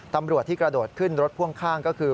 ตำรวจที่กระโดดขึ้นรถพ่วงข้างก็คือ